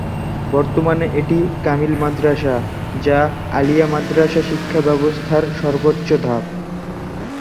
বর্তমানে এটি একটি কামিল মাদ্রাসা, যা আলিয়া মাদ্রাসা শিক্ষা ব্যবস্থার সর্বোচ্চ ধাপ।